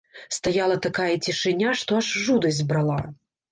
Стаяла такая цішыня, што аж жудасць брала.